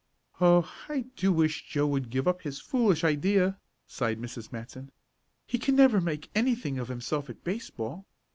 "Oh, I do wish Joe would give up his foolish idea," sighed Mrs. Matson. "He can never make anything of himself at baseball.